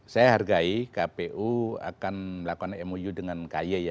saya hargai kpu akan melakukan mou dengan kaye